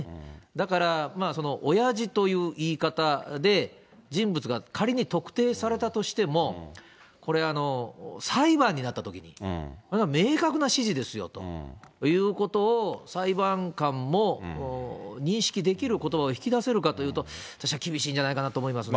だから、親父という言い方で、人物が仮に特定されたとしても、これ、裁判になったときに、明確な指示ですよということを、裁判官も認識できることばを引き出せるかというと、私は厳しいんじゃないかなと思いますね。